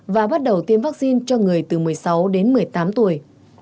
và bắt đầu tiêm vaccine cho người từ một mươi sáu đến một mươi tám tuổi